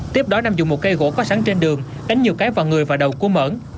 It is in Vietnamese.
tiếp đó nam dùng một cây gỗ có sẵn trên đường đánh nhiều cái vào người và đầu của mẫn